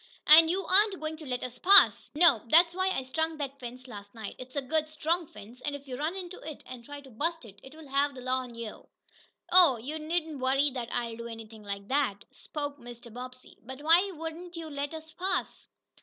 "And you aren't going to let us pass?" "Nope! That's why I strung that fence last night. It's a good, strong fence, and if you run into it, and try to bust it I'll have th' law on ye!" "Oh, you needn't worry that I'll do anything like that," spoke Mr. Bobbsey. "But why won't you let us pass?"